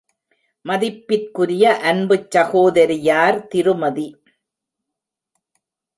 மதிப்பிற்குரிய அன்புச் சகோதரியார் திருமதி.